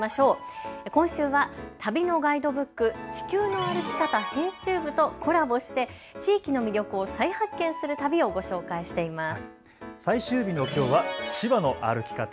今週は旅のガイドブック、地球の歩き方編集部とコラボして地域の魅力を再発見する旅をご紹介しています。